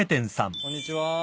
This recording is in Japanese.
こんにちは。